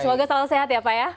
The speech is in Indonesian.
semoga selalu sehat ya pak ya